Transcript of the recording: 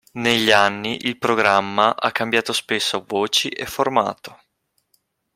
Negli anni, il programma ha cambiato spesso voci e formato.